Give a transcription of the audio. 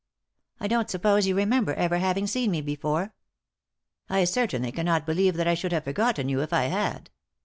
I don't suppose you remember ever having seen me before." " I certainly cannot believe that I should have for gotten you if I had."